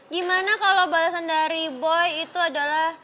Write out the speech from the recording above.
gimana kalau balasan dari boy itu adalah